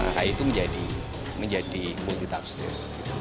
nah itu menjadi multitafsir